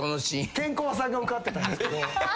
ケンコバさんが受かってたんすけど。